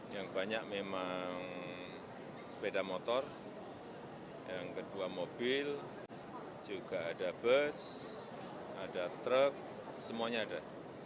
yang banyak memang sepeda motor yang kedua mobil juga ada bus ada truk semuanya ada